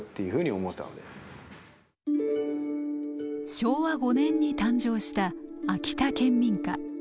昭和５年に誕生した秋田県民歌。